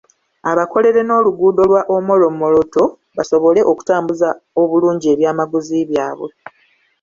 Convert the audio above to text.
Abakolere n'oluguudo lwa Omoro-Moroto basobole okutambuza obulungi ebyamaguzi byabwe.